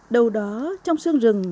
đầu đó trong sương rừng